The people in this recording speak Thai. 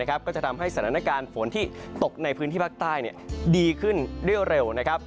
ก็จะทำให้สถานการณ์ฝนที่ตกในพื้นที่ภาคใต้ดีขึ้นได้เร็ว